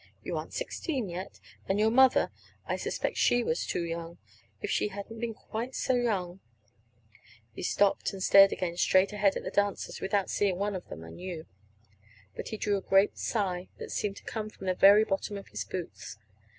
"You aren't sixteen yet. And your mother I suspect she was too young. If she hadn't been quite so young " He stopped, and stared again straight ahead at the dancers without seeing one of them, I knew. Then he drew a great deep sigh that seemed to come from the very bottom of his boots.